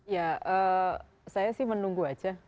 ya saya sih menunggu aja